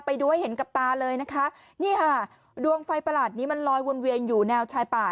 ไปดูให้เห็นกับตาเลยนะคะนี่ค่ะดวงไฟประหลาดนี้มันลอยวนเวียนอยู่แนวชายป่า